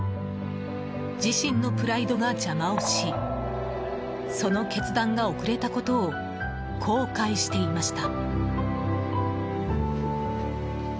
自身のプライドが邪魔をしその決断が遅れたことを後悔していました。